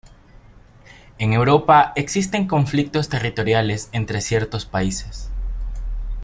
En Europa existen conflictos territoriales entre ciertos países.